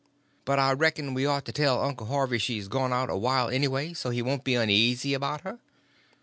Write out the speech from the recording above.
"But I reckon we ought to tell Uncle Harvey she's gone out a while, anyway, so he won't be uneasy about her?"